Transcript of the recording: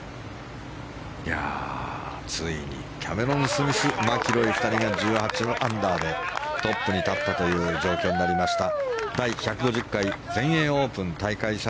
ついにキャメロン・スミスマキロイ、２人が１８アンダーでトップに立ったという状況になりました。